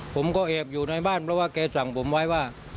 ผมก็แอบอยู่ในบ้านเพราะว่าแกสั่งผมไว้ว่า